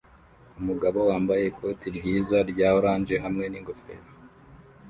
Umugabo wambaye ikoti ryiza rya orange hamwe n'ingofero